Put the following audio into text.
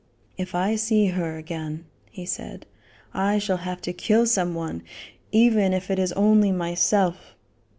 "If I see her again," he said, "I shall have to kill some one, even if it is only myself."